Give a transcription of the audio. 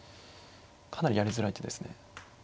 かなりやりづらい手ですね。